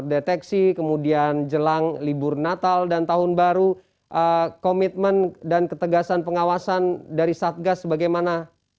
deteksi kemudian jelang libur natal dan tahun baru komitmen dan ketegasan pengawasan dari satgas bagaimana